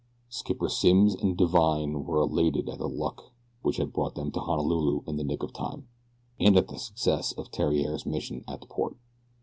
Skipper Simms and Divine were elated at the luck which had brought them to Honolulu in the nick of time, and at the success of Theriere's mission at that port.